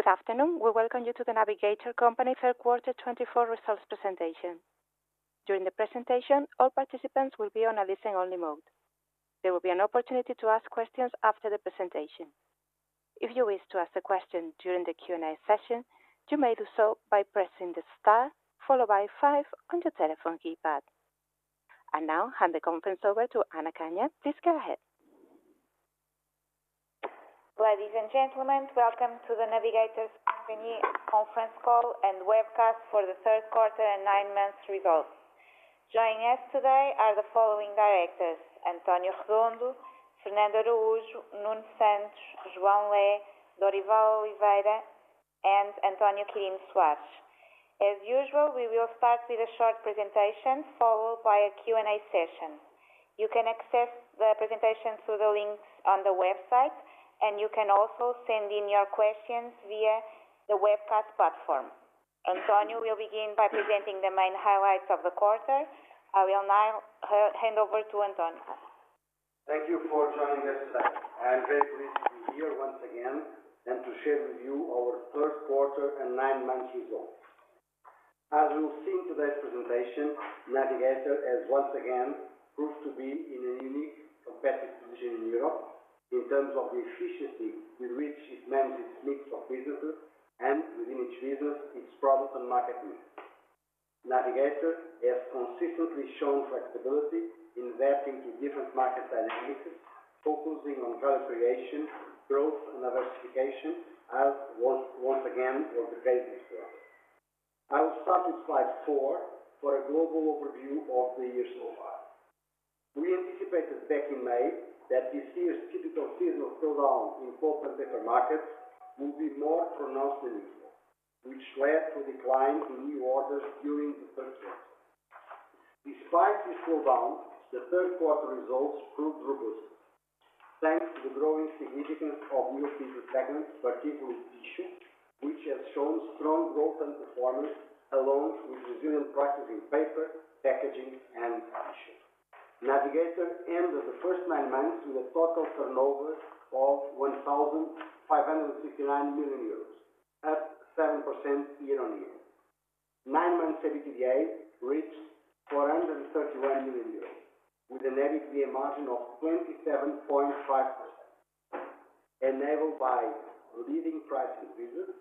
Good afternoon. We welcome you to The Navigator Company's headquarters' 2024 results presentation. During the presentation, all participants will be on a listen-only mode. There will be an opportunity to ask questions after the presentation. If you wish to ask a question during the Q&A session, you may do so by pressing the star followed by five on your telephone keypad. And now, hand the conference over to Ana Canha. Please go ahead. Ladies and gentlemen, welcome to The Navigator Company conference call and webcast for the third quarter and nine months results. Joining us today are the following directors: António Redondo, Fernando Araújo, Nuno Santos, João Lé, Dorival Oliveira, and António Quirino Soares. As usual, we will start with a short presentation followed by a Q&A session. You can access the presentation through the links on the website, and you can also send in your questions via the webcast platform. António will begin by presenting the main highlights of the quarter. I will now hand over to António. Thank you for joining us today. I am very pleased to be here once again and to share with you our third quarter and nine months results. As you'll see in today's presentation, Navigator has once again proved to be in a unique competitive position in Europe in terms of the efficiency with which it manages its mix of businesses and, within each business, its product and market niche. Navigator has consistently shown flexibility in adapting to different market dynamics, focusing on value creation, growth, and diversification, as once again was the case this year. I will start with slide four for a global overview of the year so far. We anticipated back in May that this year's typical seasonal slowdown in pulp and paper markets would be more pronounced than usual, which led to a decline in new orders during the third quarter. Despite this slowdown, the third quarter results proved robust, thanks to the growing significance of new business segments, particularly tissue, which has shown strong growth and performance along with resilient prices in paper, packaging, and tissue. Navigator ended the first nine months with a total turnover of 1,569 million euros, up 7% year-on-year. Nine months EBITDA reached 431 million euros, with an EBITDA margin of 27.5%, enabled by leading price increases,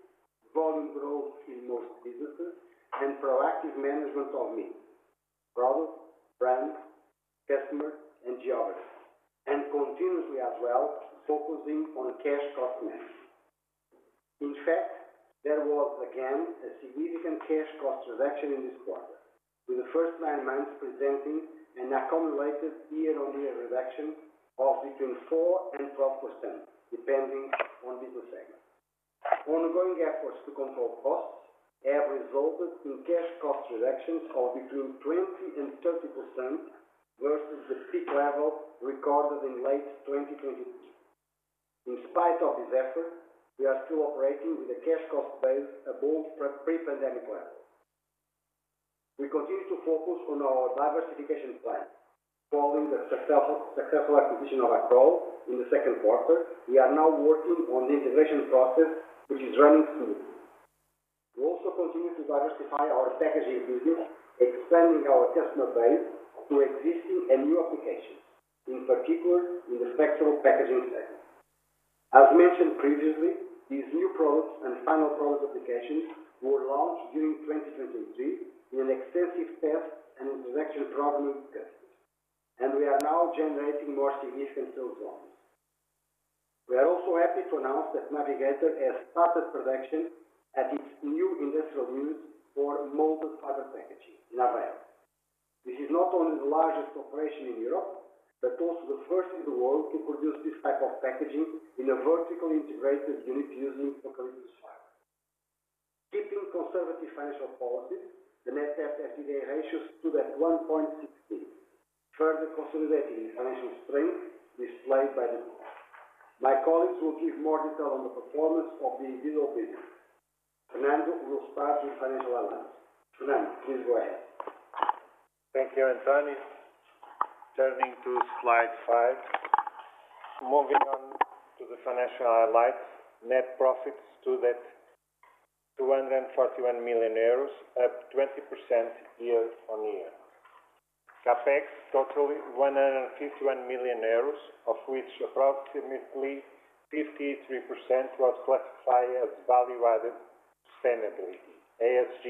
volume growth in most businesses, and proactive management of needs: product, brand, customer, and geography, and continuously as well, focusing on cash cost management. In fact, there was again a significant cash cost reduction in this quarter, with the first nine months presenting an accumulated year-on-year reduction of between 4% and 12%, depending on business segments. Ongoing efforts to control costs have resulted in cash cost reductions of between 20% and 30% versus the peak level recorded in late 2022. In spite of these efforts, we are still operating with a cash cost base above pre-pandemic levels. We continue to focus on our diversification plan. Following the successful acquisition of Accrol in the second quarter, we are now working on the integration process, which is running smoothly. We also continue to diversify our packaging business, expanding our customer base through existing and new applications, in particular in the flexible packaging segment. As mentioned previously, these new products and final product applications were launched during 2023 in an extensive test and introduction program with customers, and we are now generating more significant sales volumes. We are also happy to announce that Navigator has started production at its new industrial unit for molded fiber packaging in Aveiro. This is not only the largest operation in Europe, but also the first in the world to produce this type of packaging in a vertically integrated unit using Eucalyptus fiber. Keeping conservative financial policies, the Net Debt/EBITDA ratio ratio stood at 1.60, further consolidating the financial strength displayed by the board. My colleagues will give more detail on the performance of the individual businesses. Fernando will start with financial highlights. Fernando, please go ahead. Thank you, António. Turning to slide five, moving on to the financial highlights, net profits stood at EUR 241 million, up 20% year-on-year. CapEx totaled 151 million euros, of which approximately 53% was classified as value-added sustainability ESG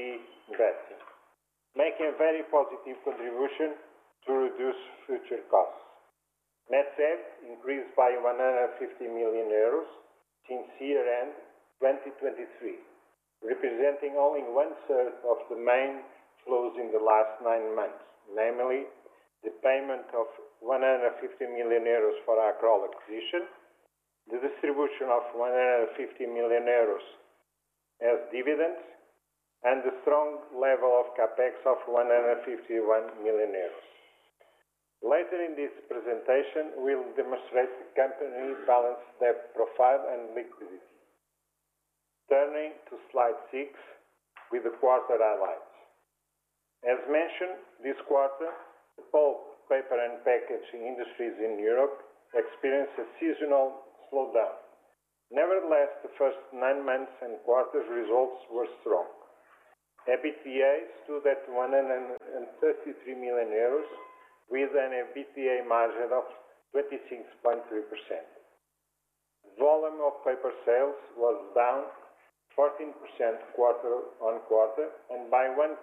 investing, making a very positive contribution to reduce future costs. Net debt increased by 150 million euros since year-end 2023, representing only one-third of the main cash flows in the last nine months, namely the payment of 150 million euros for Accrol acquisition, the distribution of 150 million euros as dividends, and the strong level of CapEx of 151 million euros. Later in this presentation, we'll demonstrate the company's balanced debt profile and liquidity. Turning to slide six with the quarter highlights. As mentioned this quarter, the pulp, paper, and packaging industries in Europe experienced a seasonal slowdown. Nevertheless, the first nine months and quarter results were strong. EBITDA stood at 133 million euros, with an EBITDA margin of 26.3%. Volume of paper sales was down 14% quarter on quarter and by 1%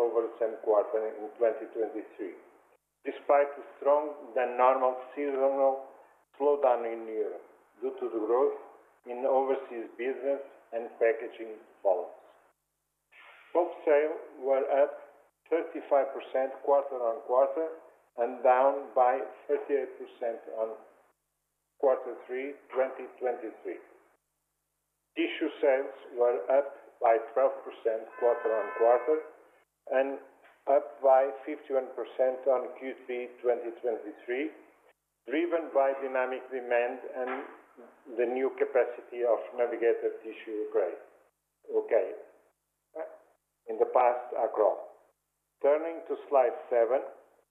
over the same quarter in 2023, despite the stronger than normal seasonal slowdown in Europe due to the growth in overseas business and packaging volumes. Pulp sales were up 35% quarter on quarter and down by 38% on quarter three 2023. Tissue sales were up by 12% quarter on quarter and up by 51% on Q3 2023, driven by dynamic demand and the new capacity of Navigator tissue grade in the past Accrol. Turning to slide seven,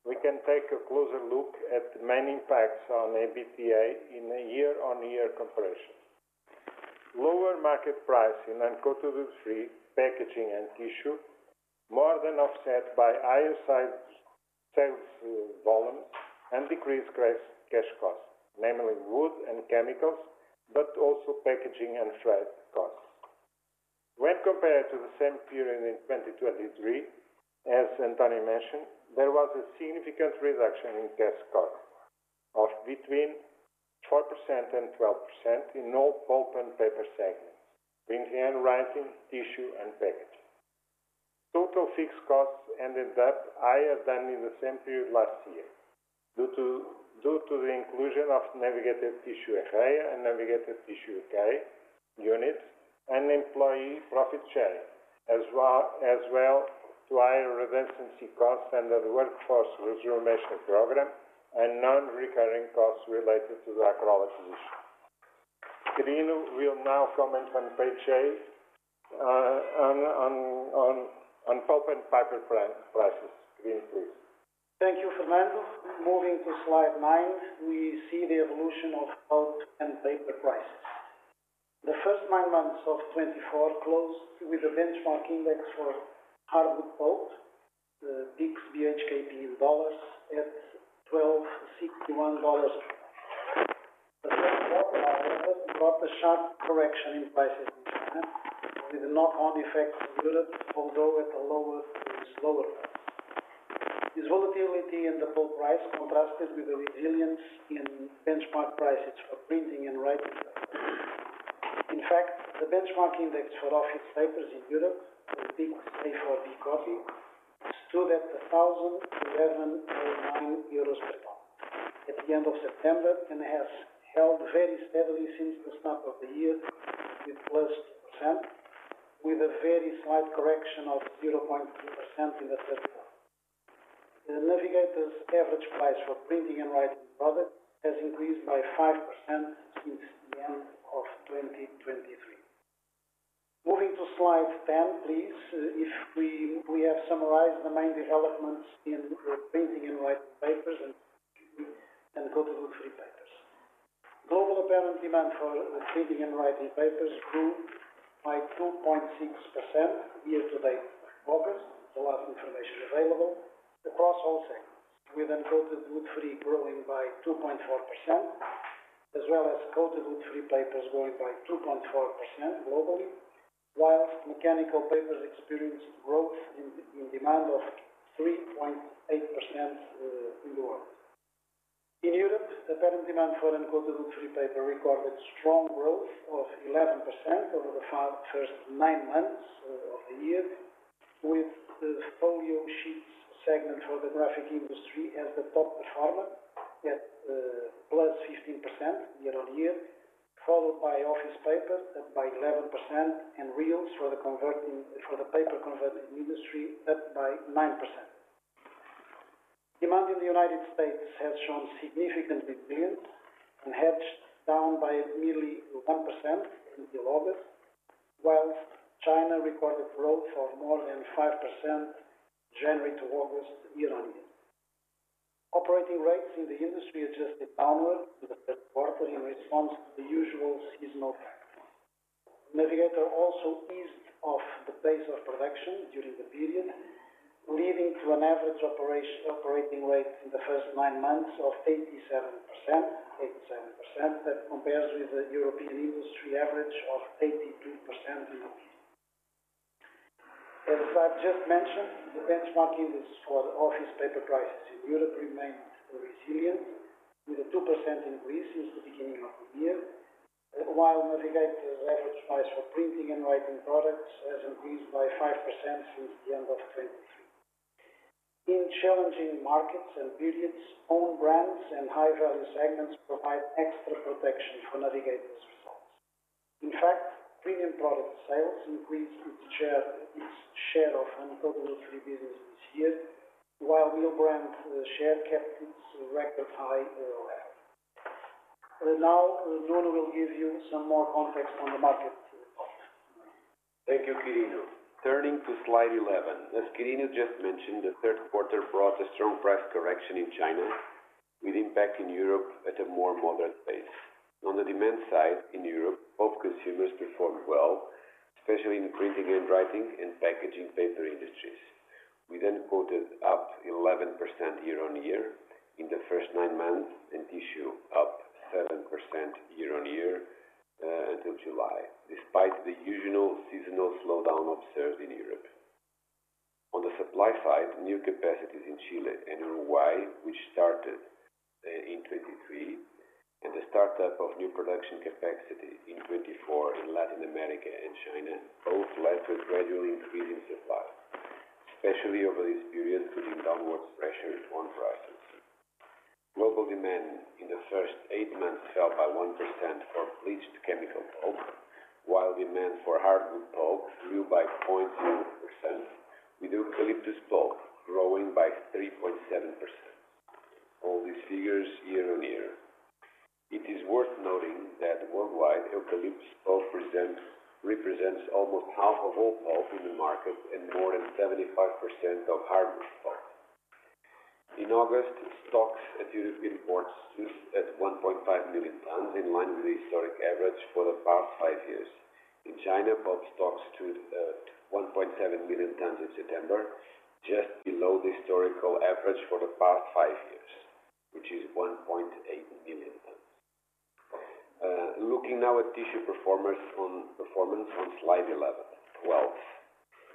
we can take a closer look at the main impacts on EBITDA in a year-on-year comparison. Lower market pricing and quarter three packaging and tissue more than offset by higher sales volumes and decreased cash costs, namely wood and chemicals, but also packaging and freight costs. When compared to the same period in 2023, as António mentioned, there was a significant reduction in cash cost of between 4% and 12% in all pulp and paper segments, printing and writing, tissue, and packaging. Total fixed costs ended up higher than in the same period last year due to the inclusion of Navigator Tissue Ejea and Navigator Tissue UK units and employee profit sharing, as well as to higher redundancy costs and the workforce rejuvenation programand non-recurring costs related to the Accrol acquisition. Quirino will now comment on pulp and paper prices. Quirino, please. Thank you, Fernando. Moving to slide nine, we see the evolution of pulp and paper prices. The first nine months of 2024 closed with a benchmark index for hardwood pulp, the BHKP dollars, at $1,261. The second quarter, however, brought a sharp correction in prices this year, with a knock-on effect in Europe, although at the lowest price. This volatility in the pulp price contrasted with the resilience in benchmark prices for printing and writing paper. In fact, the benchmark index for office papers in Europe, the BHKP copy, stood at €1,011.9 per ton at the end of September and has held very steadily since the start of the year, with plus 2%, with a very slight correction of 0.2% in the third quarter. The Navigator's average price for printing and writing products has increased by 5% since the end of 2023. Moving to slide ten, please. Now we have summarized the main developments in printing and writing papers and uncoated and coated papers. Global apparent demand for printing and writing papers grew by 2.6% year-to-date August, the last information available, across all segments, with coated papers growing by 2.4%, as well as coated papers growing by 2.4% globally, while mechanical papers experienced growth in demand of 3.8% in the world. In Europe, apparent demand for coated paper recorded strong growth of 11% over the first nine months of the year, with the folio sheets segment for the graphic industry as the top performer at plus 15% year-on-year, followed by office papers up by 11%, and reels for the paper converting industry up by 9%. Demand in the United States has shown significant resilience and has gone down by nearly 1% until August, while China recorded growth of more than 5% January to August year-on-year. Operating rates in the industry adjusted downward in the third quarter in response to the usual seasonal pattern. Navigator also eased off the pace of production during the period, leading to an average operating rate in the first nine months of 87%, that compares with the European industry average of 82% in the year. As I've just mentioned, the benchmark indices for the office paper prices in Europe remained resilient, with a 2% increase since the beginning of the year, while Navigator's average price for printing and writing products has increased by 5% since the end of 2023. In challenging markets and periods, own brands and high-value segments provide extra protection for Navigator's results. In fact, premium product sales increased its share of quarterly business this year, while retail brand share kept its record high level. Now, Nuno will give you some more context on the market. Thank you, Quirino. Turning to slide 11, as Quirino just mentioned, the third quarter brought a strong price correction in China, with impact in Europe at a more moderate pace. On the demand side in Europe, pulp consumers performed well, especially in printing and writing and packaging paper industries. With uncoated up 11% year-on-year in the first nine months and tissue up 7% year-on-year until July, despite the usual seasonal slowdown observed in Europe. On the supply side, new capacities in Chile and Uruguay, which started in 2023, and the startup of new production capacity in 2024 in Latin America and China both led to a gradual increase in supply, especially over this period due to downward pressure on prices. Global demand in the first eight months fell by 1% for bleached chemical pulp, while demand for hardwood pulp grew by 0.0%, with Eucalyptus pulp growing by 3.7%. All these figures year-on-year. It is worth noting that worldwide, Eucalyptus pulp represents almost half of all pulp in the market and more than 75% of hardwood pulp. In August, stocks at European ports stood at 1.5 million tons, in line with the historic average for the past five years. In China, pulp stocks stood at 1.7 million tons in September, just below the historical average for the past five years, which is 1.8 million tons. Looking now at tissue performance on slide eleven,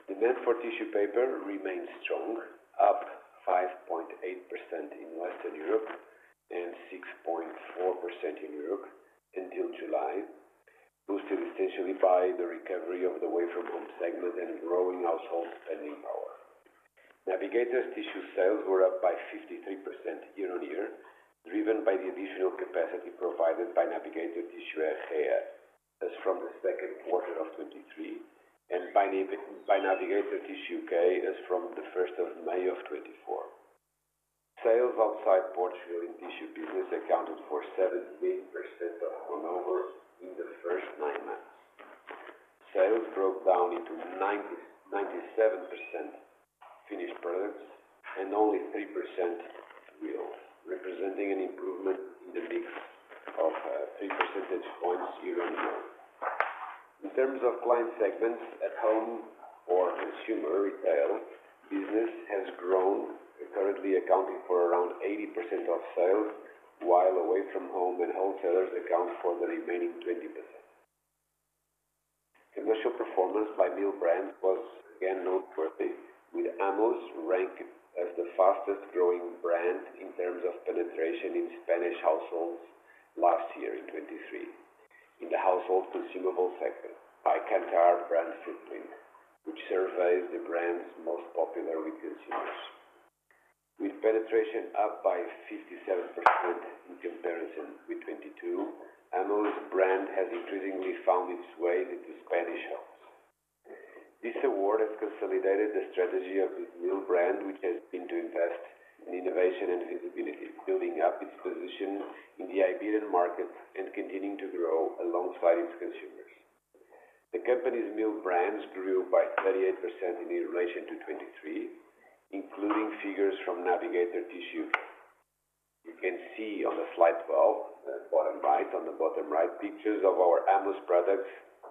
demand for tissue paper remained strong, up 5.8% in Western Europe and 6.4% in Europe until July, boosted essentially by the recovery of the away-from-home segment and growing household spending power. Navigator's tissue sales were up by 53% year-on-year, driven by the additional capacity provided by Navigator Tissue Ejea, as from the second quarter of 2023, and by Navigator Tissue UK as from the first of May of 2024. Sales outside Portugal in tissue business accounted for 17% of turnover in the first nine months. Sales broke down into 97% finished products and only 3% reels, representing an improvement in the mix of 3 percentage points year-on-year. In terms of client segments, at-home or consumer retail business has grown, currently accounting for around 80% of sales, while away-from-home and wholesalers account for the remaining 20%. Commercial performance by real brands was again noteworthy, with Amoos ranked as the fastest-growing brand in terms of penetration in Spanish households last year, in 2023, in the household consumable segment by Kantar Brand Footprint, which surveys the brand's most popular consumers. With penetration up by 57% in comparison with 2022, Amoos brand has increasingly found its way into Spanish homes. This award has consolidated the strategy of this new brand, which has been to invest in innovation and visibility, building up its position in the Iberian market and continuing to grow alongside its consumers. The company's new brands grew by 38% in relation to 2023, including figures from Navigator Tissue UK. You can see on the slide 12, bottom right, on the bottom right, pictures of our Amoos products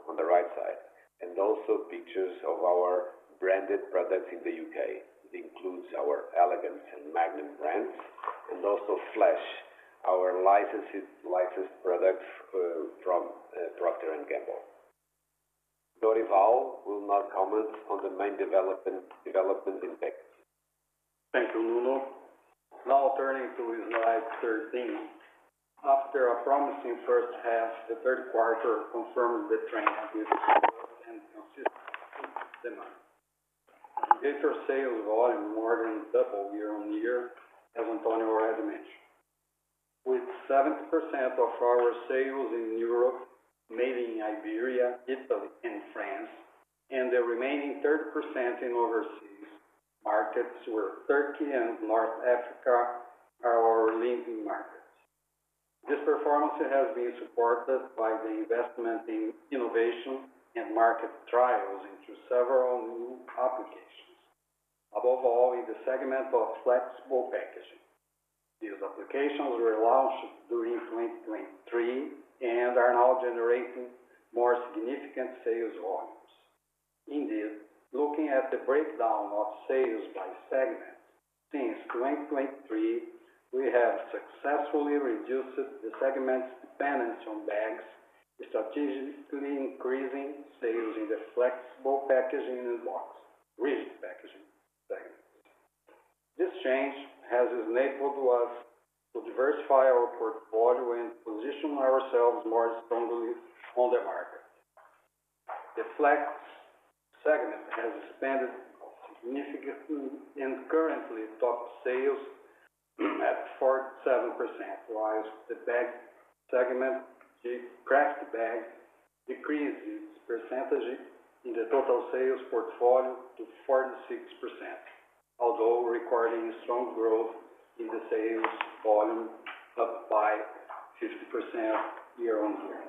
on the right side, and also pictures of our branded products in the UK, which includes our Elegance and Magnum brands, and also Flash, our licensed product from Procter and Gamble. Dorival will now comment on the main development in tissue. Thank you, Nuno. Now turning to slide 13, after a promising first half, the third quarter confirmed the trend of consistent demand. Navigator sales volume more than doubled year-on-year, as António Redondo mentioned. With 7% of our sales in Europe made in Iberia, Italy, and France, and the remaining 30% in overseas markets, where Turkey and North Africa are our leading markets. This performance has been supported by the investment in innovation and market trials into several new applications, above all in the segment of flexible packaging. These applications were launched during 2023 and are now generating more significant sales volumes. Indeed, looking at the breakdown of sales by segment, since 2023, we have successfully reduced the segment's dependence on bags, strategically increasing sales in the flexible packaging and box rigid packaging segments. This change has enabled us to diversify our portfolio and position ourselves more strongly on the market. The flex segment has expanded significantly and currently tops sales at 47%, while the bag segment, the kraft bag, decreased its percentage in the total sales portfolio to 46%, although recording strong growth in the sales volume up by 50% year-on-year.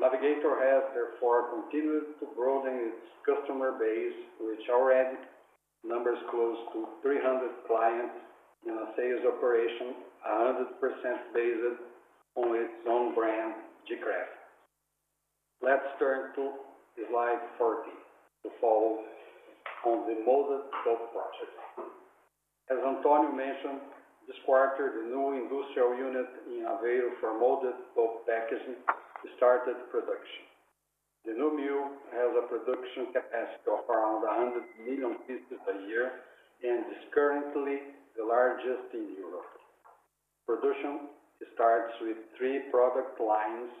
Navigator has, therefore, continued to broaden its customer base, which already numbers close to 300 clients in a sales operation 100% based on its own brand, gKraft. Let's turn to slide 14 to follow on the molded pulp project. As António mentioned, this quarter, the new industrial unit in Aveiro for molded pulp packaging started production. The new mill has a production capacity of around 100 million pieces a year and is currently the largest in Europe. Production starts with three product lines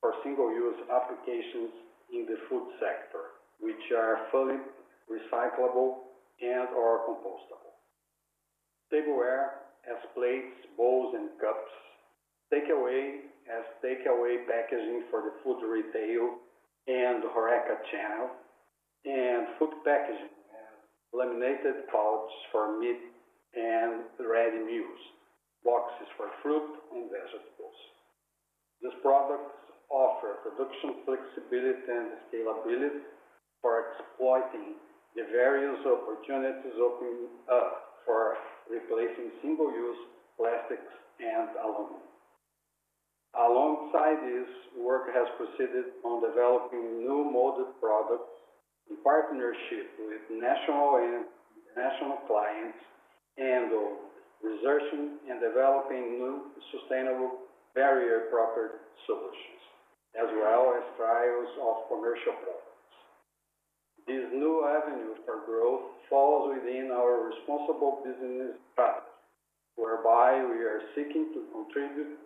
for single-use applications in the food sector, which are fully recyclable and/or compostable. Tableware has plates, bowls, and cups. Takeaway has takeaway packaging for the food retail and Horeca channel, and food packaging has laminated pouches for meat and ready meals, boxes for fruit and vegetables. These products offer production flexibility and scalability for exploiting the various opportunities opening up for replacing single-use plastics and aluminum. Alongside this, work has proceeded on developing new molded products in partnership with national clients and/or researching and developing new sustainable barrier-proof solutions, as well as trials of commercial products. This new avenue for growth falls within our responsible business strategy, whereby we are seeking to contribute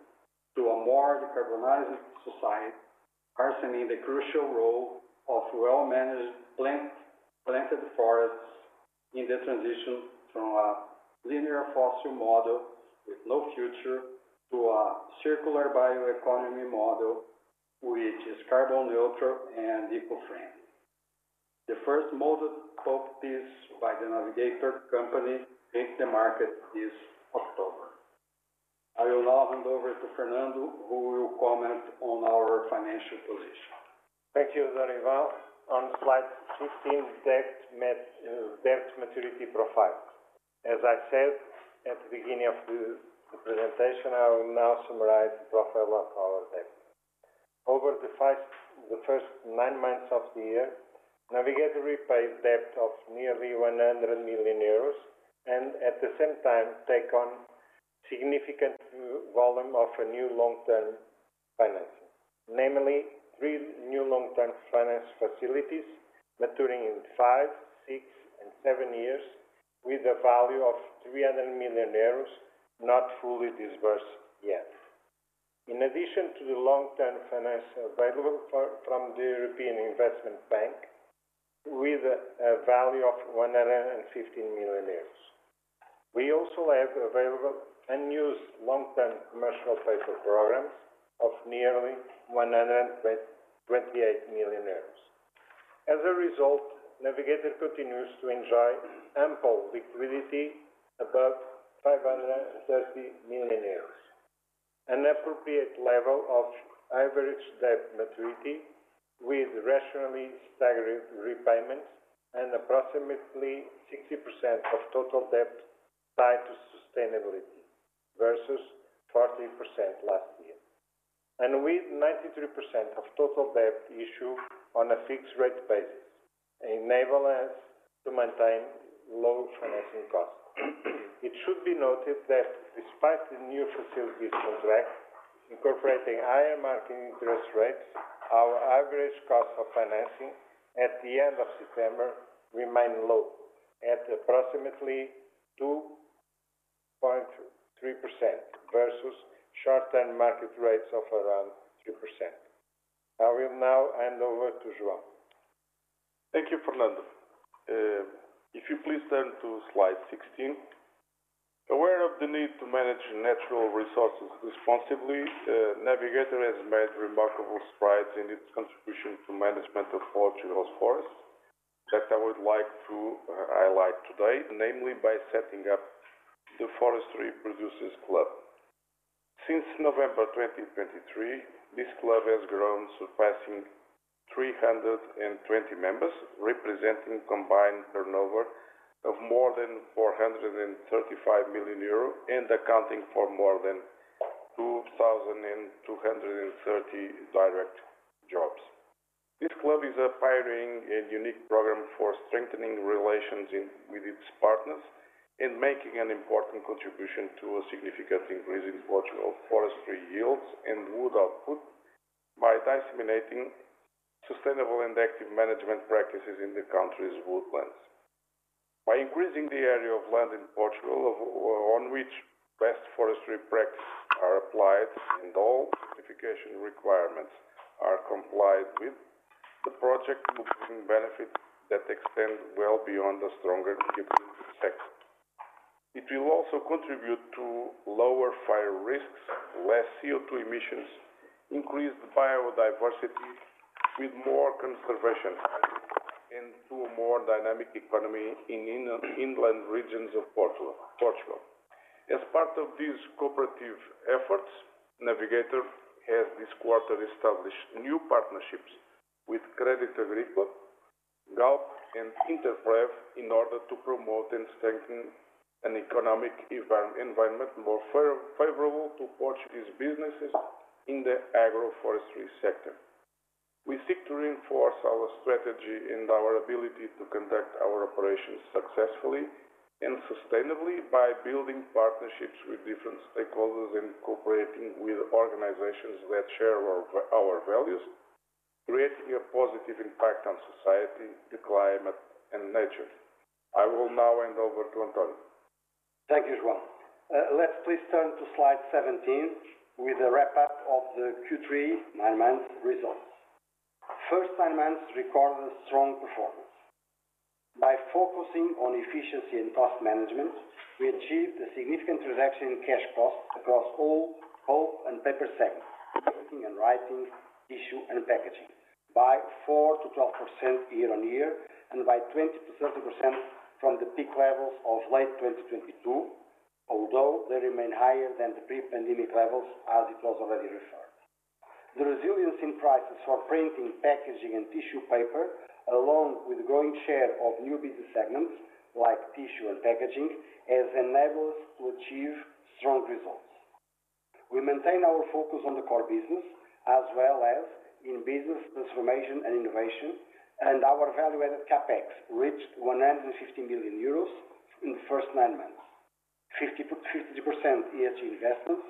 to a more decarbonized society, highlighting the crucial role of well-managed planted forests in the transition from a linear fossil model with no future to a circular bioeconomy model, which is carbon neutral and eco-friendly. The first molded pulp piece by The Navigator Company hit the market this October. I will now hand over to Fernando, who will comment on our financial position. Thank you, Dorival. On slide 15, debt maturity profile. As I said at the beginning of the presentation, I will now summarize the profile of our debt. Over the first nine months of the year, Navigator repaid debt of nearly 100 million euros and, at the same time, take on significant volume of a new long-term financing, namely three new long-term finance facilities maturing in five, six, and seven years with a value of 300 million euros not fully disbursed yet. In addition to the long-term finance available from the European Investment Bank with a value of 115 million euros, we also have available unused long-term commercial paper programs of nearly 128 million euros. As a result, Navigator continues to enjoy ample liquidity above 530 million euros, an appropriate level of average debt maturity with rationally staggered repayments and approximately 60% of total debt tied to sustainability versus 40% last year, and with 93% of total debt issued on a fixed-rate basis, enabling us to maintain low financing costs. It should be noted that despite the new facilities contract incorporating higher market interest rates, our average cost of financing at the end of September remained low at approximately 2.3% versus short-term market rates of around 3%. I will now hand over to João. Thank you, Fernando. If you please turn to slide 16. Aware of the need to manage natural resources responsibly, Navigator has made remarkable strides in its contribution to the management of Portugal's forests that I would like to highlight today, namely by setting up the Forestry Producers Club. Since November 2023, this club has grown to past 320 members, representing a combined turnover of more than 435 million euros and accounting for more than 2,230 direct jobs. This club is a pioneering and unique program for strengthening relations with its partners and making an important contribution to a significant increase in Portugal's forestry yields and wood output by disseminating sustainable and active management practices in the country's woodlands. By increasing the area of land in Portugal on which best forestry practices are applied and all certification requirements are complied with, the project will bring benefits that extend well beyond the stronger ecosystem sector. It will also contribute to lower fire risks, less CO2 emissions, increased biodiversity with more conservation and to a more dynamic economy in inland regions of Portugal. As part of these cooperative efforts, Navigator has this quarter established new partnerships with Crédito Agrícola, Galp, and Insur in order to promote and strengthen an economic environment more favorable to Portuguese businesses in the agroforestry sector. We seek to reinforce our strategy and our ability to conduct our operations successfully and sustainably by building partnerships with different stakeholders and cooperating with organizations that share our values, creating a positive impact on society, the climate, and nature. I will now hand over to António. Thank you, João. Let's please turn to slide seventeen with a wrap-up of the Q3 nine-month results. First nine months recorded a strong performance. By focusing on efficiency and cost management, we achieved a significant reduction in cash costs across all pulp and paper segments, printing and writing, tissue, and packaging, by 4%-12% year-on-year and by 20%-30% from the peak levels of late 2022, although they remain higher than the pre-pandemic levels, as it was already referred. The resilience in prices for printing, packaging, and tissue paper, along with the growing share of new business segments like tissue and packaging, has enabled us to achieve strong results. We maintain our focus on the core business as well as in business transformation and innovation, and our value-added CapEx reached 150 million euros in the first nine months, 50% ESG investments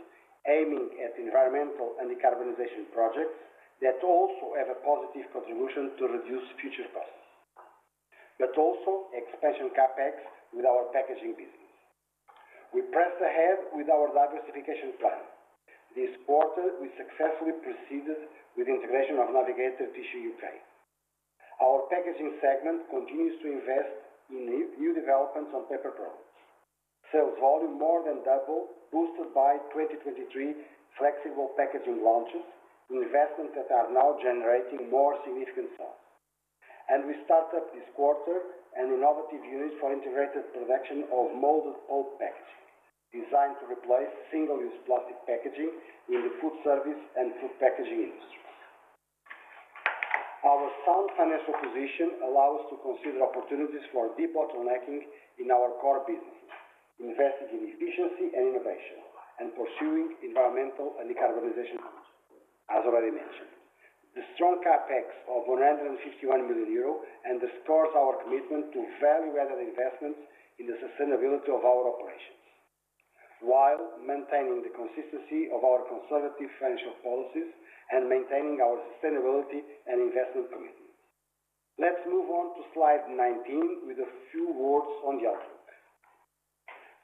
aiming at environmental and decarbonization projects that also have a positive contribution to reduce future costs, but also expansion Capex with our packaging business. We pressed ahead with our diversification plan. This quarter, we successfully proceeded with the integration of Navigator Tissue UK. Our packaging segment continues to invest in new developments on paper products. Sales volume more than doubled, boosted by 2023 flexible packaging launches, investments that are now generating more significant sales. We started this quarter an innovative unit for integrated production of molded pulp packaging designed to replace single-use plastic packaging in the food service and food packaging industries. Our sound financial position allows us to consider opportunities for de-bottlenecking in our core businesses, investing in efficiency and innovation, and pursuing environmental and decarbonization goals, as already mentioned. The strong CapEx of 151 million euro underscores our commitment to value-added investments in the sustainability of our operations, while maintaining the consistency of our conservative financial policies and maintaining our sustainability and investment commitment. Let's move on to slide 19 with a few words on the outlook.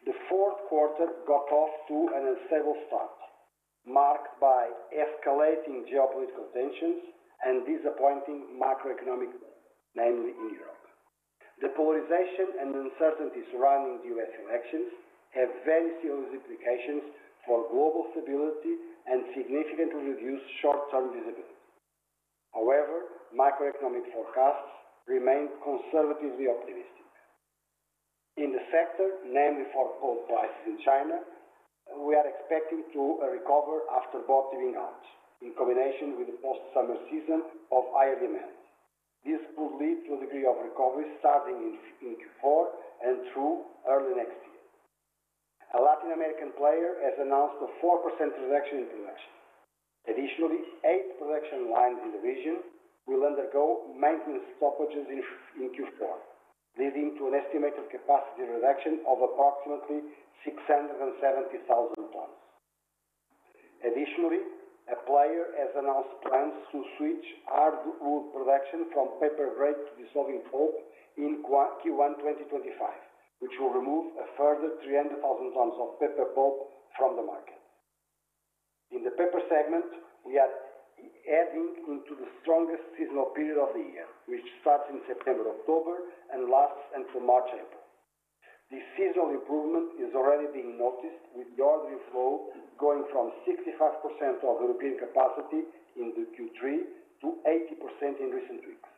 The fourth quarter got off to an unstable start, marked by escalating geopolitical tensions and disappointing macroeconomic developments, namely in Europe. The polarization and uncertainty surrounding the U.S. elections have very serious implications for global stability and significantly reduced short-term visibility. However, macroeconomic forecasts remain conservatively optimistic. In the sector, namely for pulp prices in China, we are expecting to recover after the bulk of the downside, in combination with the post-summer season of higher demand. This could lead to a degree of recovery starting in Q4 and through early next year. A Latin American player has announced a 4% reduction in production. Additionally, eight production lines in the region will undergo maintenance stoppages in Q4, leading to an estimated capacity reduction of approximately 670,000 tons. Additionally, a player has announced plans to switch hardwood production from paper-grade to dissolving pulp in Q1 2025, which will remove a further 300,000 tons of paper pulp from the market. In the paper segment, we are heading into the strongest seasonal period of the year, which starts in September-October and lasts until March-April. This seasonal improvement is already being noticed, with the ordering flow going from 65% of European capacity in Q3 to 80% in recent weeks.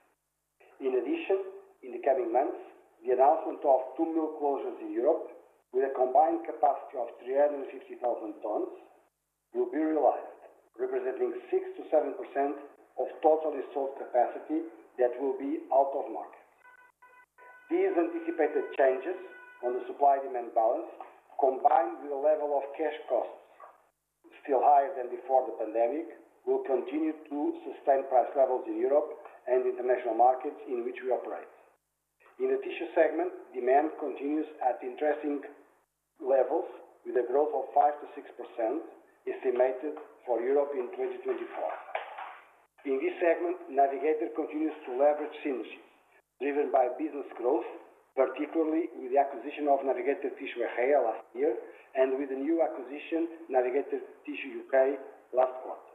In addition, in the coming months, the announcement of two mill closures in Europe with a combined capacity of 350,000 tons will be realized, representing 6%-7% of total installed capacity that will be out of market. These anticipated changes on the supply-demand balance, combined with a level of cash costs still higher than before the pandemic, will continue to sustain price levels in Europe and international markets in which we operate. In the tissue segment, demand continues at interesting levels, with a growth of 5%-6% estimated for Europe in 2024. In this segment, Navigator continues to leverage synergies driven by business growth, particularly with the acquisition of Navigator Tissue Ejea last year and with the new acquisition, Navigator Tissue UK, last quarter.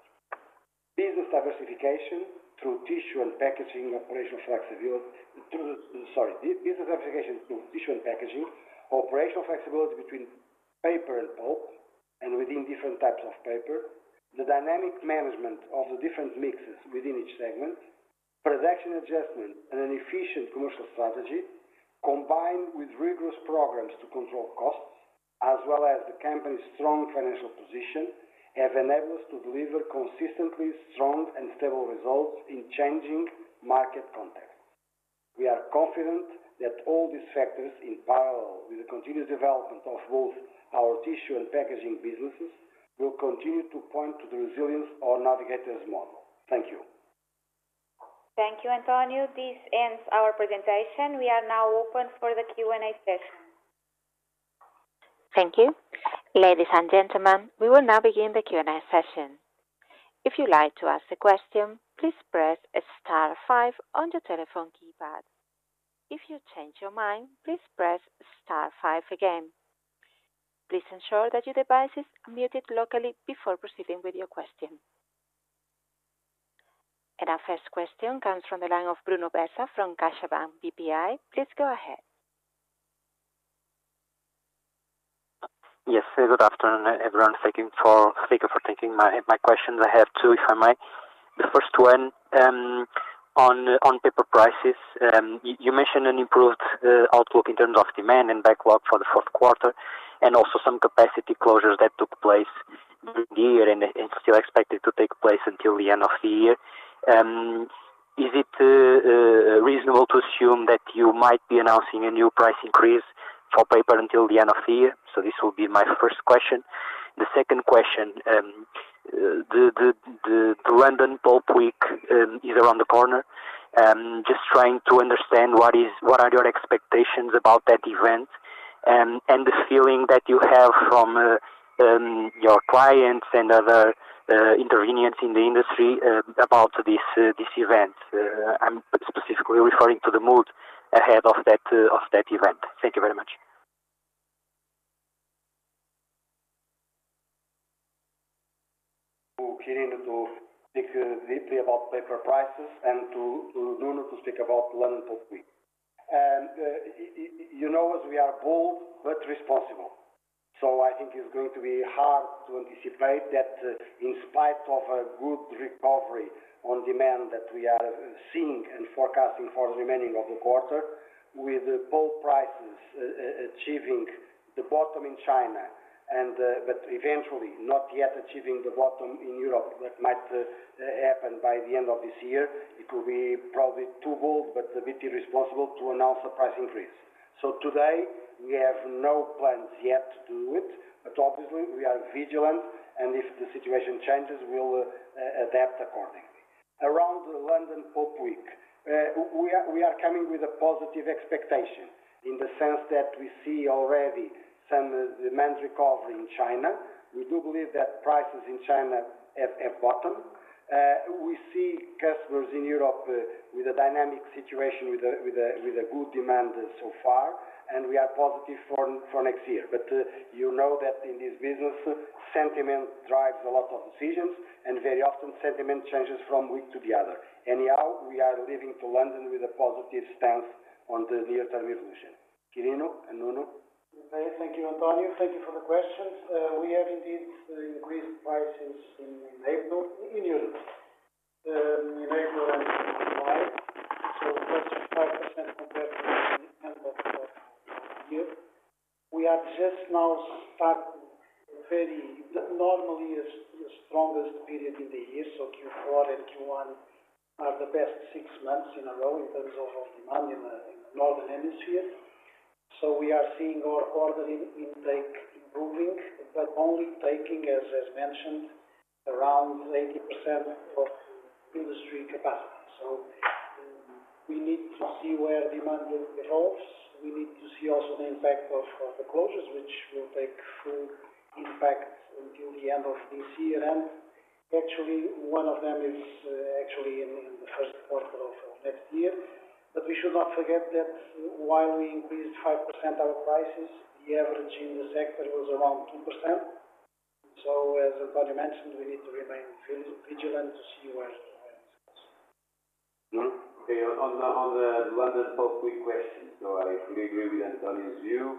Business diversification through tissue and packaging operational flexibility through tissue and packaging, operational flexibility between paper and pulp and within different types of paper, the dynamic management of the different mixes within each segment, production adjustment, and an efficient commercial strategy, combined with rigorous programs to control costs, as well as the company's strong financial position, have enabled us to deliver consistently strong and stable results in changing market contexts. We are confident that all these factors, in parallel with the continuous development of both our tissue and packaging businesses, will continue to point to the resilience of Navigator's model. Thank you. Thank you, António. This ends our presentation. We are now open for the Q&A session. Thank you. Ladies and gentlemen, we will now begin the Q&A session. If you'd like to ask a question, please press star five on your telephone keypad. If you change your mind, please press star five again. Please ensure that your device is muted locally before proceeding with your question. Our first question comes from the line of Bruno Bessa from CaixaBank BPI. Please go ahead. Yes, good afternoon, everyone. Thank you for taking my questions. I have two, if I may. The first one on paper prices. You mentioned an improved outlook in terms of demand and backlog for the fourth quarter, and also some capacity closures that took place this year and still expected to take place until the end of the year. Is it reasonable to assume that you might be announcing a new price increase for paper until the end of the year? So this will be my first question. The second question, the London Pulp Week is around the corner. Just trying to understand what are your expectations about that event and the feeling that you have from your clients and other interveners in the industry about this event. I'm specifically referring to the mood ahead of that event. Thank you very much. To Kirin to speak deeply about paper prices and to Bruno to speak about the London Pulp Week. You know us, we are bold but responsible. I think it's going to be hard to anticipate that in spite of a good recovery on demand that we are seeing and forecasting for the remaining of the quarter, with pulp prices achieving the bottom in China but eventually not yet achieving the bottom in Europe that might happen by the end of this year, it will be probably too bold but a bit irresponsible to announce a price increase. Today, we have no plans yet to do it, but obviously, we are vigilant, and if the situation changes, we'll adapt accordingly. Around the London Pulp Week, we are coming with a positive expectation in the sense that we see already some demand recovery in China. We do believe that prices in China have bottomed. We see customers in Europe with a dynamic situation, with a good demand so far, and we are positive for next year. But you know that in this business, sentiment drives a lot of decisions, and very often, sentiment changes from week to the other. Anyhow, we are leaving to London with a positive stance on the near-term evolution. Quirino, Nuno. Thank you, António. Thank you for the questions. We have indeed increased prices in April, in Europe, in April and July, so 25% compared to the end of the year. We are just now starting very normally the strongest period in the year, so Q4 and Q1 are the best six months in a row in terms of demand in the northern hemisphere. So we are seeing our order intake improving, but only taking, as mentioned, around 80% of industry capacity. So we need to see where demand evolves. We need to see also the impact of the closures, which will take full impact until the end of this year. And actually, one of them is actually in the first quarter of next year. But we should not forget that while we increased 5% our prices, the average in the sector was around 2%. So as António mentioned, we need to remain vigilant to see where it goes. Okay. On the London Pulp Week question, so I fully agree with António's view.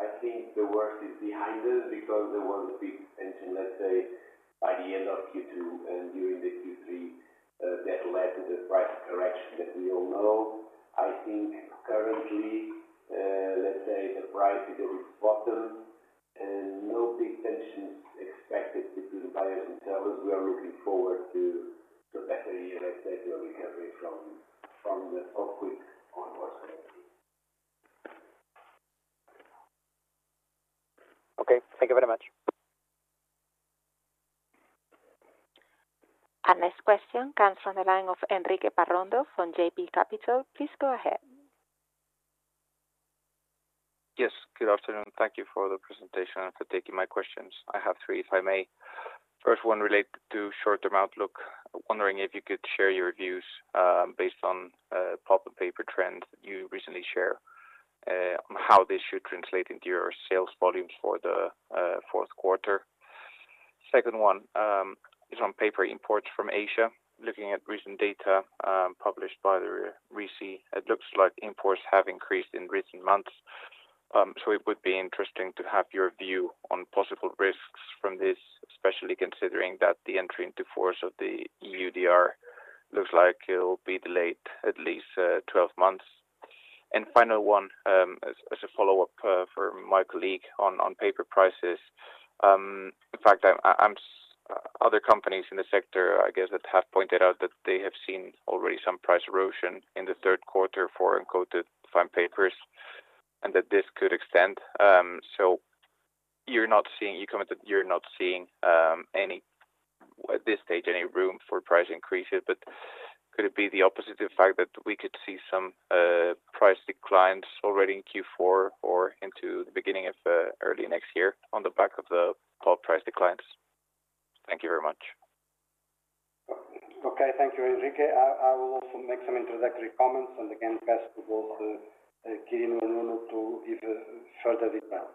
I think the worst is behind us because there was a big tension, let's say, by the end of Q2 and during the Q3 that led to the price correction that we all know. I think currently, let's say, the price is at its bottom and no big tensions expected between buyers and sellers. We are looking forward to a better year, let's say, to a recovery from the Pulp Week on what's going to be. Okay. Thank you very much. This question comes from the line of Enrique Parrondo from JB Capital Markets. Please go ahead. Yes. Good afternoon. Thank you for the presentation and for taking my questions. I have three, if I may. First one related to short-term outlook. Wondering if you could share your views based on pulp and paper trends that you recently shared on how this should translate into your sales volumes for the fourth quarter. Second one is on paper imports from Asia. Looking at recent data published by the RISI, it looks like imports have increased in recent months. So it would be interesting to have your view on possible risks from this, especially considering that the entry into force of the EUDR looks like it'll be delayed at least 12 months, and final one, as a follow-up for my colleague on paper prices. In fact, other companies in the sector, I guess, that have pointed out that they have seen already some price erosion in the third quarter for uncoated fine papers and that this could extend. So, as you commented, you're not seeing any, at this stage, any room for price increases. But could it be the opposite, in fact, that we could see some price declines already in Q4 or into the beginning of early next year on the back of the pulp price declines? Thank you very much. Okay. Thank you, Enrique. I will also make some introductory comments and again pass to both Quirino and Nuno to give further detail.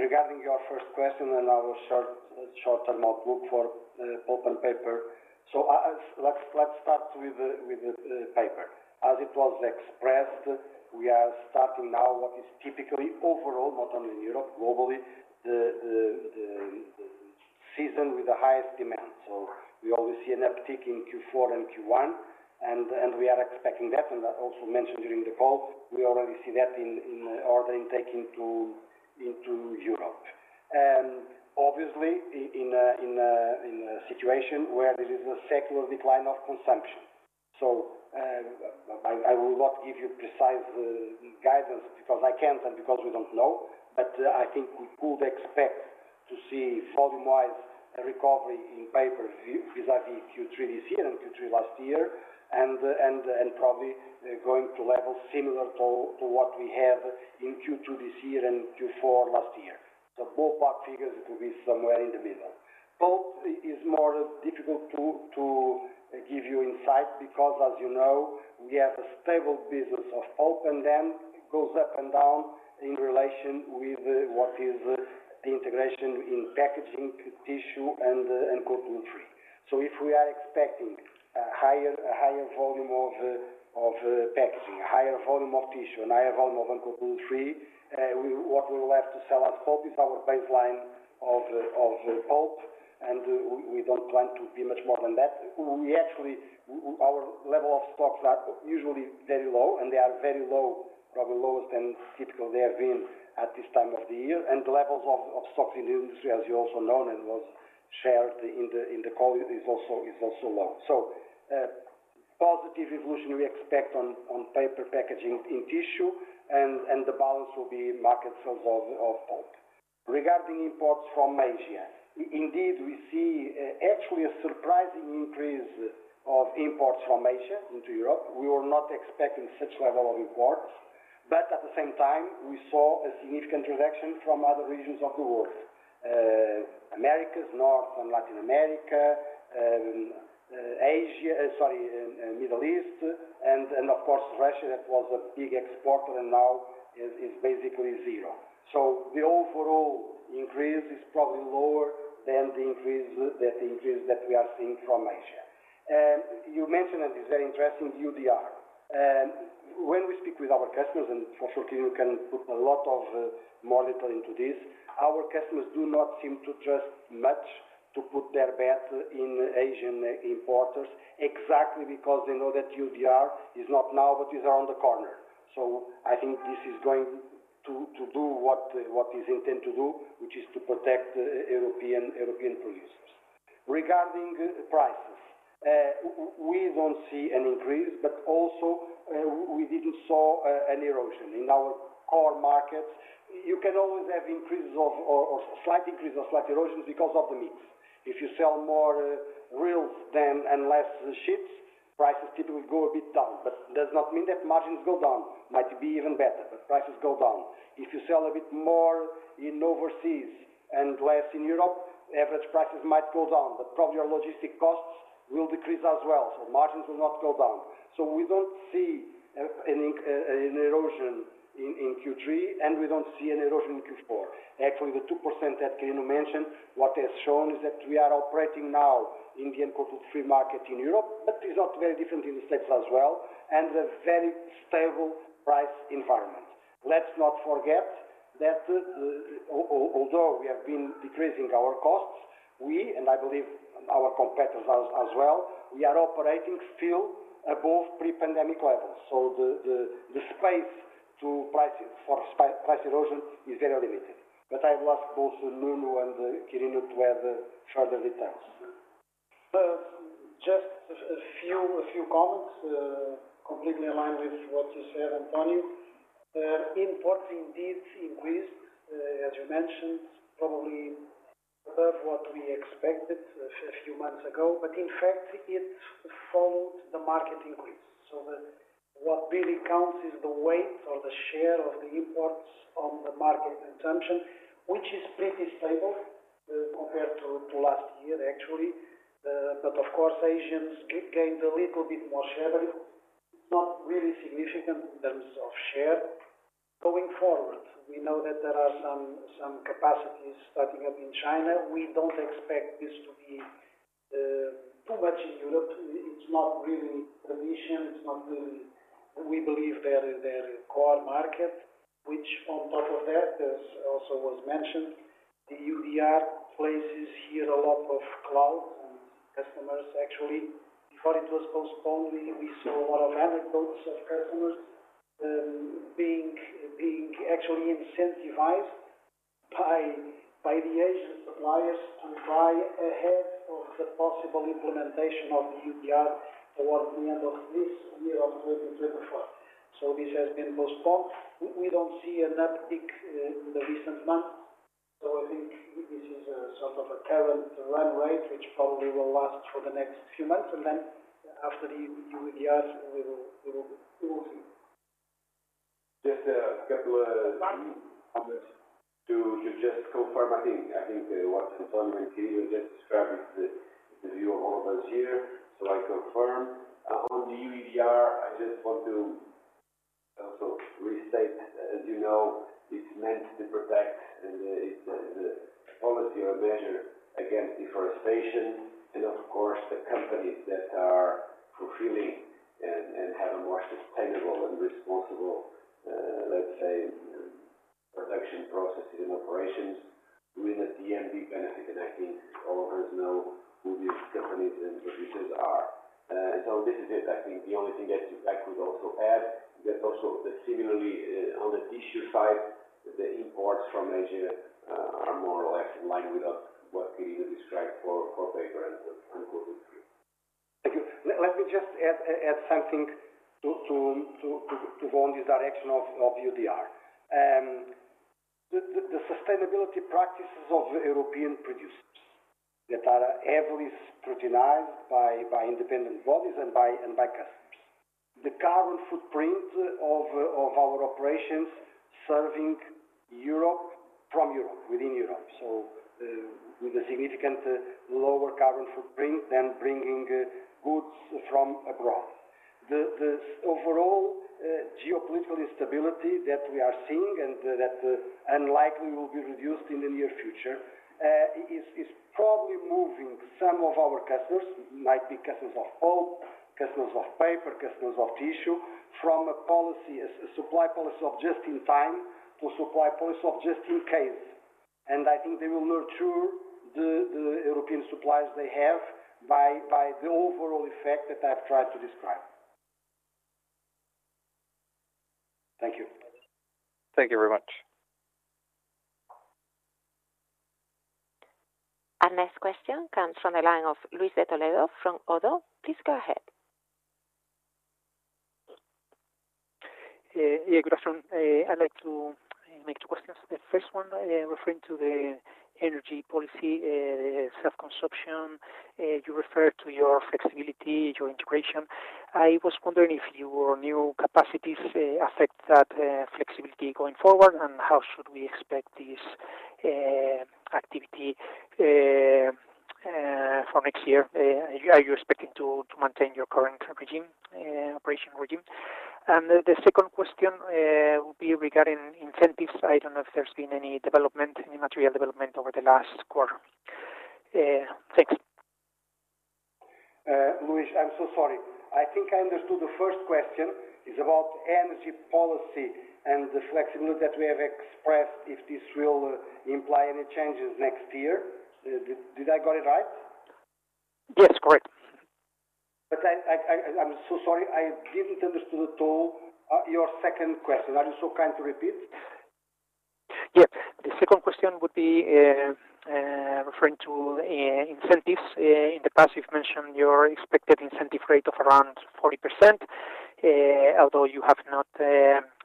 Regarding your first question and our short-term outlook for pulp and paper, let's start with the paper. As it was expressed, we are starting now what is typically overall, not only in Europe, globally, the season with the highest demand, so we always see an uptick in Q4 and Q1, and we are expecting that. I also mentioned during the call, we already see that in order intake to Europe. Obviously, in a situation where there is a secular decline of coprofessional workingnsumption. So I will not give you precise guidance because I can't and because we don't know, but I think we could expect to see volume-wise a recovery in paper vis-à-vis Q3 this year and Q3 last year, and probably going to levels similar to what we had in Q2 this year and Q4 last year. So ballpark figures, it will be somewhere in the middle. Pulp is more difficult to give you insight because, as you know, we have a stable business of pulp, and then it goes up and down in relation with what is the integration in packaging, tissue, and uncoated woodfree. So if we are expecting a higher volume of packaging, a higher volume of tissue, and a higher volume of uncoated woodfree, what we'll have to sell as pulp is our baseline of pulp, and we don't plan to be much more than that. We actually, our level of stocks are usually very low, and they are very low, probably lower than typical they have been at this time of the year, and the levels of stocks in the industry, as you also know and was shared in the call, is also low, so positive evolution we expect on paper packaging in tissue, and the balance will be market sales of pulp. Regarding imports from Asia, indeed, we see actually a surprising increase of imports from Asia into Europe. We were not expecting such level of imports, but at the same time, we saw a significant reduction from other regions of the world: Americas, North and Latin America, Asia, sorry, Middle East, and of course, Russia that was a big exporter and now is basically zero, so the overall increase is probably lower than the increase that we are seeing from Asia. You mentioned that it's very interesting, EUDR. When we speak with our customers, and for sure, the EU can put a lot of monitoring to this, our customers do not seem to trust much to put their bet in Asian importers exactly because they know that EUDR is not now, but it's around the corner. So I think this is going to do what is intended to do, which is to protect European producers. Regarding prices, we don't see an increase, but also we didn't saw any erosion in our core markets. You can always have increases or slight increases or slight erosions because of the mix. If you sell more reels and less sheets, prices typically go a bit down, but that does not mean that margins go down. It might be even better, but prices go down. If you sell a bit more in overseas and less in Europe, average prices might go down, but probably our logistics costs will decrease as well. So margins will not go down. So we don't see an erosion in Q3, and we don't see an erosion in Q4. Actually, the 2% that Quirino mentioned, what they have shown is that we are operating now in the uncoated woodfree market in Europe, but it's not very different in the States as well, and a very stable price environment. Let's not forget that although we have been decreasing our costs, we, and I believe our competitors as well, we are operating still above pre-pandemic levels. So the space for price erosion is very limited. But I will ask both Nuno and Quirino to add further details. Just a few comments, completely aligned with what you said, António. Imports indeed increased, as you mentioned, probably above what we expected a few months ago, but in fact, it followed the market increase. So what really counts is the weight or the share of the imports on the market consumption, which is pretty stable compared to last year, actually. But of course, Asians gained a little bit more share. It's not really significant in terms of share. Going forward, we know that there are some capacities starting up in China. We don't expect this to be too much in Europe. It's not really a condition. It's not really, we believe, their core market, which on top of that, as also was mentioned, the EUDR places a lot of clouds over customers. Actually, before it was postponed, we saw a lot of anecdotes of customers being actually incentivized by the Asian suppliers to buy ahead of the possible implementation of the EUDR towards the end of this year of 2024. So this has been postponed. We don't see an uptick in the recent months. So I think this is a sort of a current run rate, which probably will last for the next few months, and then after the EUDR, we will see. Just a couple of comments to just confirm. I think what António and Quirino just described is the view of all of us here. So I confirm. On the EUDR, I just want to also restate, as you know, it's meant to protect, and it's a policy or a measure against deforestation. And of course, the companies that are fulfilling and have a more sustainable and responsible, let's say, production processes and operations, we're the main benefit, and I think all of us know who these companies and producers are. So this is it. I think the only thing that I could also add is that also similarly, on the tissue side, the imports from Asia are more or less in line with what Quirino described for paper and uncoated wood free. Thank you. Let me just add something to go in this direction of EUDR. The sustainability practices of European producers that are heavily scrutinized by independent bodies and by customers. The carbon footprint of our operations serving Europe from Europe, within Europe, so with a significant lower carbon footprint than bringing goods from abroad. The overall geopolitical instability that we are seeing and that unlikely will be reduced in the near future is probably moving some of our customers, might be customers of pulp, customers of paper, customers of tissue, from a supply policy of just in time to a supply policy of just in case. And I think they will nurture the European suppliers they have by the overall effect that I've tried to describe. Thank you. Thank you very much. This question comes from the line of Luis de Toledo from ODDO BHF. Please go ahead. Yeah, good afternoon. I'd like to make two questions. The first one referring to the energy policy, self-consumption. You referred to your flexibility, your integration. I was wondering if your new capacities affect that flexibility going forward, and how should we expect this activity for next year? Are you expecting to maintain your current operation regime? And the second question would be regarding incentives. I don't know if there's been any development, any material development over the last quarter. Thanks. Luis, I'm so sorry. I think I understood the first question is about energy policy and the flexibility that we have expressed if this will imply any changes next year. Did I get it right? Yes, correct. But I'm so sorry. I didn't understand at all your second question. Are you so kind to repeat? Yes. The second question would be referring to incentives. In the past, you've mentioned your expected incentive rate of around 40%, although you have not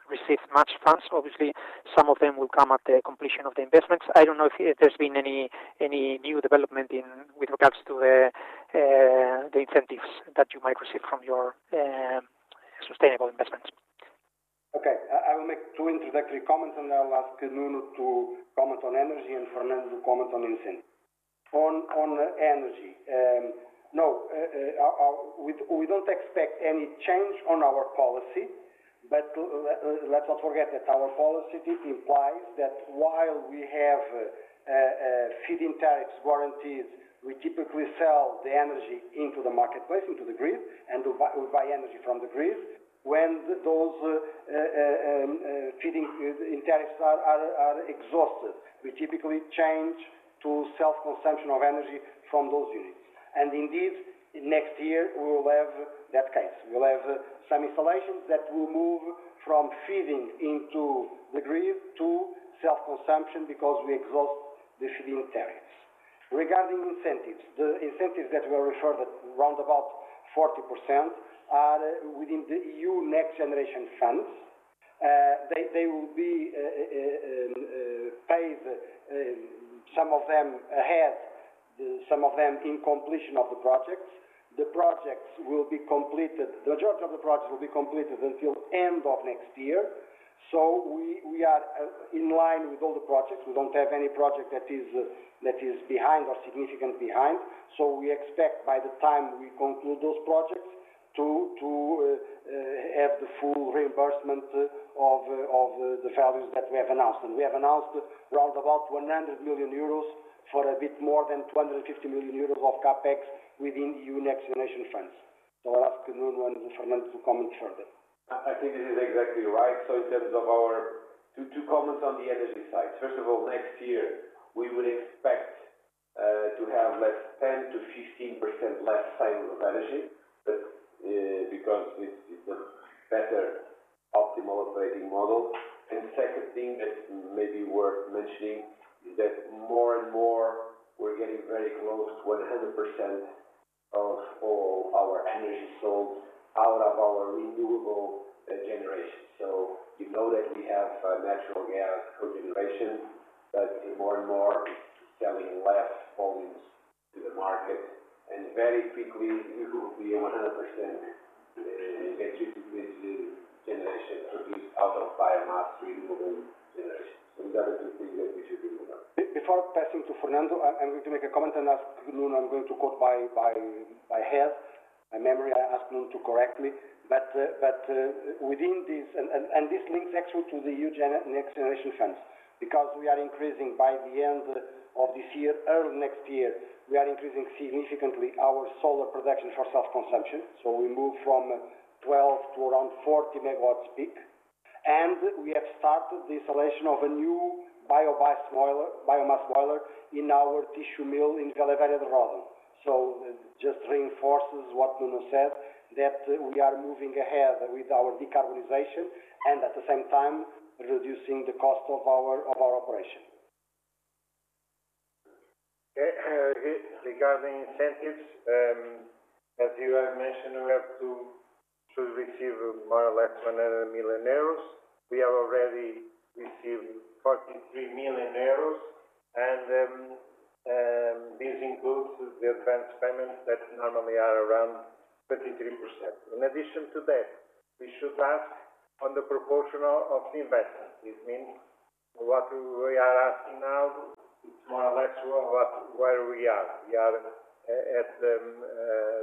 received much funds. Obviously, some of them will come at the completion of the investments. I don't know if there's been any new development with regards to the incentives that you might receive from your sustainable investments. Okay. I will make two introductory comments, and I'll ask Nuno to comment on energy and Fernando to comment on incentives. On energy, no, we don't expect any change on our policy, but let's not forget that our policy implies that while we have feeding tariffs guaranteed, we typically sell the energy into the marketplace, into the grid, and we buy energy from the grid. When those feeding tariffs are exhausted, we typically change to self-consumption of energy from those units. And indeed, next year, we will have that case. We'll have some installations that will move from feeding into the grid to self-consumption because we exhaust the feeding tariffs. Regarding incentives, the incentives that were referred at roundabout 40% are within the EU Next Generation Funds. They will be paid, some of them ahead, some of them in completion of the projects. The projects will be completed. The majority of the projects will be completed until the end of next year. So we are in line with all the projects. We don't have any project that is behind or significantly behind. So we expect by the time we conclude those projects to have the full reimbursement of the values that we have announced. And we have announced roundabout 100 million euros for a bit more than 250 million euros of CapEx within EU Next Generation Funds. So I'll ask Nuno and Fernando to comment further. I think this is exactly right. So in terms of our two comments on the energy side, first of all, next year, we would expect to have less 10%-15% less sales of energy because it's a better optimal operating model. And the second thing that may be worth mentioning is that more and more, we're getting very close to 100% of all our energy sold out of our renewable generation. So you know that we have natural gas cogeneration, but more and more, it's selling less volumes to the market. And very quickly, we will be 100% electricity-based generation produced out of biomass renewable generation. So these are the two things that we should remember. Before passing to Fernando and to make a comment and ask Nuno, I'm going to go from the top of my head, from memory. I ask Nuno to correct me, but within this, and this links actually to the EU Next Generation Funds because we are increasing by the end of this year, early next year, we are increasing significantly our solar production for self-consumption, so we move from 12 to around 40 megawatts peak. We have started the installation of a new biomass boiler in our tissue mill in Vila Velha de Ródão. It just reinforces what Nuno said, that we are moving ahead with our decarbonization and at the same time, reducing the cost of our operation. Regarding incentives, as you have mentioned, we have to receive more or less 100 million euros. We have already received 43 million euros, and this includes the advance payments that normally are around 23%. In addition to that, we should based on the proportion of the investment. This means what we are asking now, it's more or less where we are. We are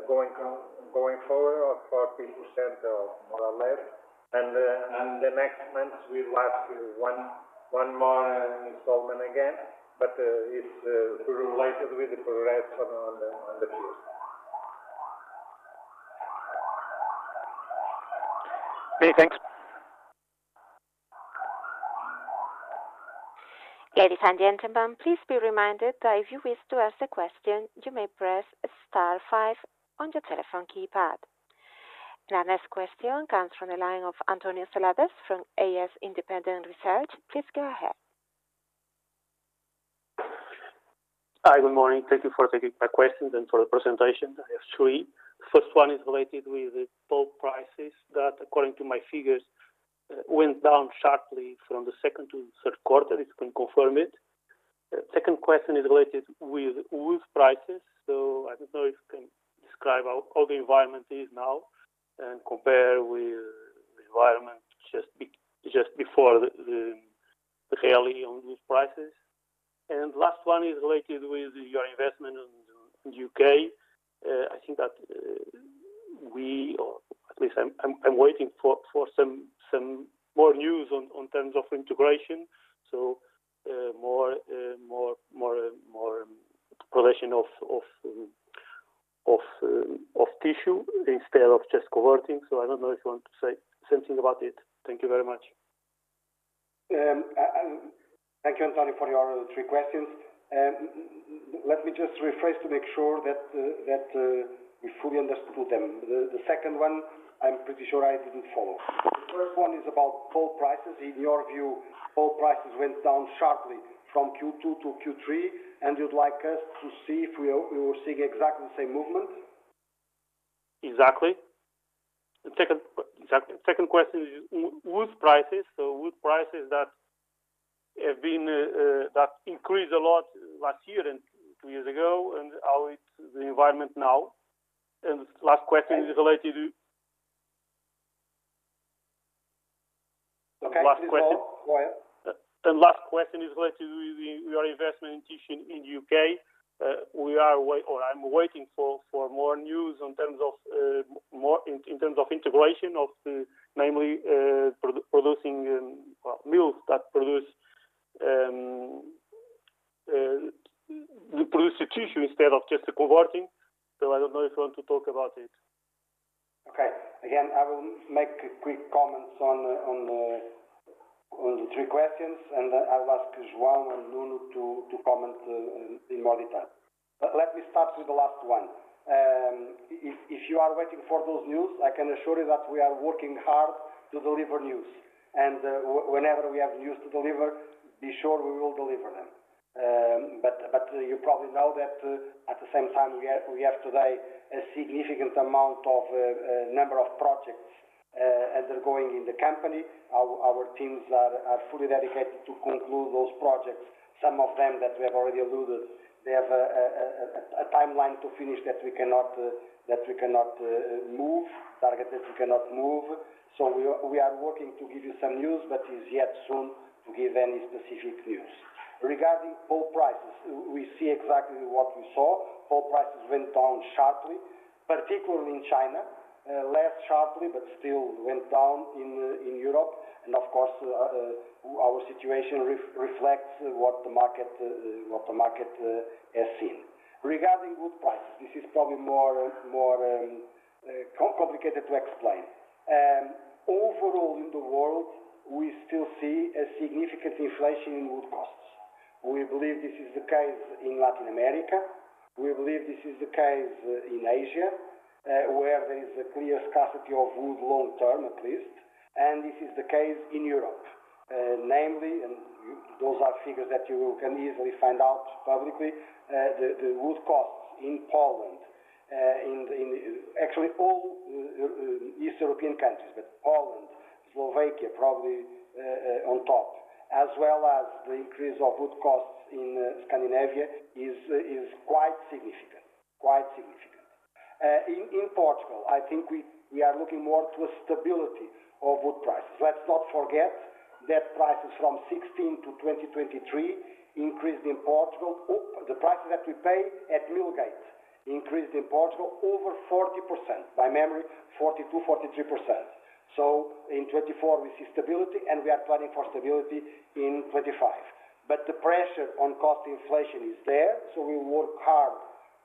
going forward of 40% or more or less, and the next month, we'll ask one more installment again, but it's related with the progress on the field. Okay, thanks Ladies and Gentlemen, please be reminded that if you wish to ask a question, you may press star five on your telephone keypad, and our next question comes from the line of António Seladas from AS Independent Research. Please go ahead. Hi, good morning. Thank you for taking my questions and for the presentation. I have three. The first one is related with the pulp prices that, according to my figures, went down sharply from the second to the third quarter. Can you confirm it? The second question is related with wood prices. So I don't know if you can describe how the environment is now and compare with the environment just before the rally on wood prices. And the last one is related with your investment in the UK. I think that we, or at least I'm waiting for some more news in terms of integration. So more production of tissue instead of just converting. So I don't know if you want to say something about it. Thank you very much. Thank you, António, for your three questions. Let me just rephrase to make sure that we fully understood them. The second one, I'm pretty sure I didn't follow. The first one is about pulp prices. In your view, pulp prices went down sharply from Q2 to Q3, and you'd like us to see if we were seeing exactly the same movement? Exactly. Second question is wood prices, so wood prices that increased a lot last year and two years ago and how the environment now, and the last question is related to. Okay. Go ahead. And the last question is related to your investment in tissue in the UK. We're aware, or I'm waiting for more news in terms of integration, namely producing mills that produce the tissue instead of just the converting, so I don't know if you want to talk about it. Okay. Again, I will make quick comments on the three questions, and I'll ask João and Nuno to comment in more detail. Let me start with the last one. If you are waiting for those news, I can assure you that we are working hard to deliver news. And whenever we have news to deliver, be sure we will deliver them. But you probably know that at the same time, we have today a significant number of projects undergoing in the company. Our teams are fully dedicated to conclude those projects. Some of them that we have already alluded, they have a timeline to finish that we cannot move, target that we cannot move. So we are working to give you some news, but it's yet soon to give any specific news. Regarding pulp prices, we see exactly what we saw. Pulp prices went down sharply, particularly in China, less sharply, but still went down in Europe, and of course, our situation reflects what the market has seen. Regarding wood prices, this is probably more complicated to explain. Overall, in the world, we still see a significant inflation in wood costs. We believe this is the case in Latin America. We believe this is the case in Asia, where there is a clear scarcity of wood long term, at least. This is the case in Europe. Namely, and those are figures that you can easily find out publicly, the wood costs in Poland, in actually all East European countries, but Poland, Slovakia probably on top, as well as the increase of wood costs in Scandinavia is quite significant, quite significant. In Portugal, I think we are looking more to a stability of wood prices. Let's not forget that prices from 2016 to 2023 increased in Portugal. The prices that we pay at mill gate increased in Portugal over 40%. By memory, 42%-43%. So in 2024, we see stability, and we are planning for stability in 2025. But the pressure on cost inflation is there, so we work hard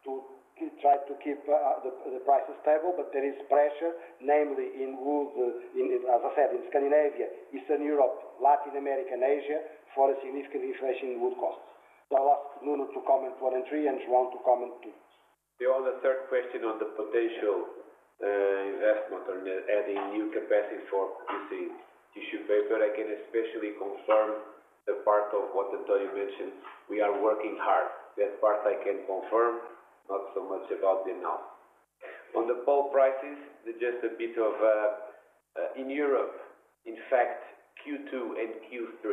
to try to keep the prices stable. But there is pressure, namely in wood, as I said, in Scandinavia, Eastern Europe, Latin America, and Asia for a significant inflation in wood costs. So I'll ask Nuno to comment one and three, and João to comment two. The other third question on the potential investment or adding new capacity for producing tissue paper, I can especially confirm the part of what António mentioned. We are working hard. That part I can confirm, not so much about the now. On the pulp prices, just a bit in Europe, in fact, Q2 and Q3,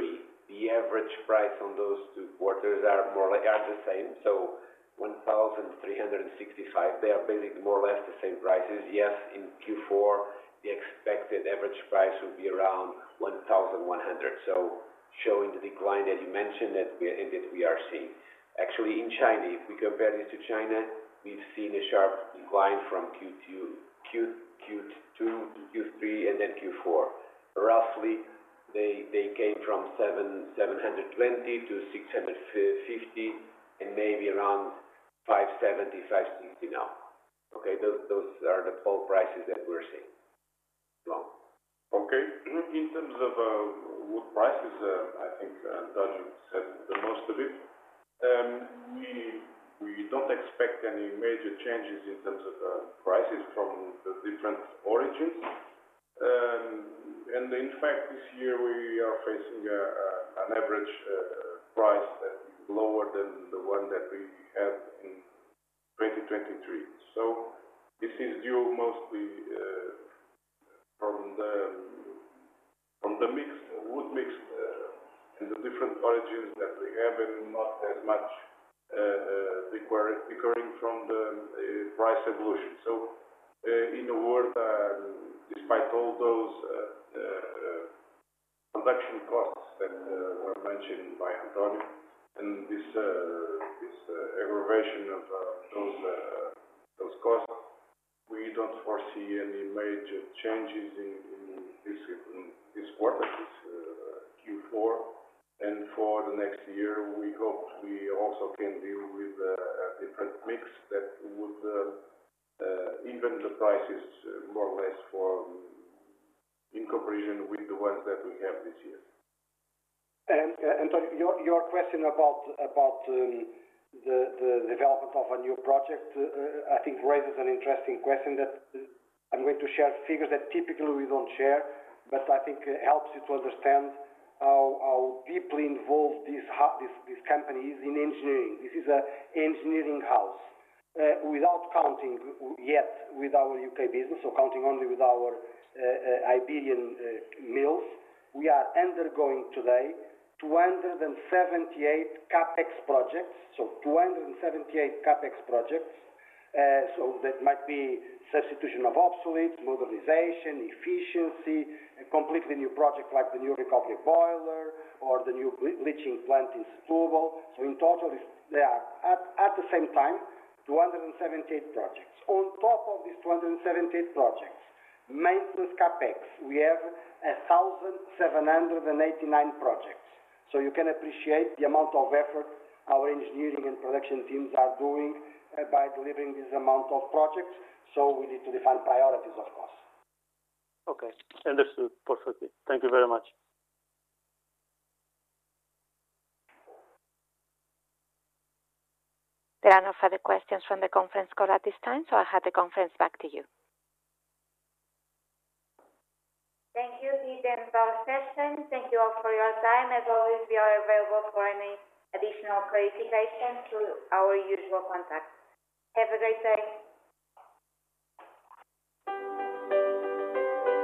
the average price on those two quarters are the same. So $1,365, they are basically more or less the same prices. Yes, in Q4, the expected average price will be around $1,100. So showing the decline that you mentioned that we are seeing. Actually, in China, if we compare this to China, we've seen a sharp decline from Q2 to Q3 and then Q4. Roughly, they came from $720 to $650 and maybe around $570, $560 now. Okay? Those are the pulp prices that we're seeing. João. Okay. In terms of wood prices, I think António said the most of it. We don't expect any major changes in terms of prices from the different origins. And in fact, this year, we are facing an average price that is lower than the one that we had in 2023. So this is due mostly from the wood mix and the different origins that we have and not as much recurring from the price evolution. So in a word, despite all those production costs that were mentioned by António and this aggravation of those costs, we don't foresee any major changes in this quarter, this Q4. And for the next year, we hope we also can deal with a different mix that would even the prices more or less for in comparison with the ones that we have this year. António, your question about the development of a new project, I think raises an interesting question that I'm going to share figures that typically we don't share, but I think helps you to understand how deeply involved this company is in engineering. This is an engineering house. Without counting yet with our U.K. business, so counting only with our Iberian mills, we are undergoing today 278 CapEx projects. 278 CapEx projects. That might be substitution of obsoletes, modernization, efficiency, a completely new project like the new recovery boiler or the new bleaching plant in Setúbal. In total, there are at the same time 278 projects. On top of these 278 projects, maintenance CapEx, we have 1,789 projects. You can appreciate the amount of effort our engineering and production teams are doing by delivering this amount of projects. We need to define priorities, of course. Okay. Understood. Perfectly. Thank you very much. There are no further questions from the conference call at this time, so I'll hand the conference back to you. Thank you, Dean end of ses. Thank you all for your time. As always, we are available for any additional clarification through our usual contacts. Have a great day.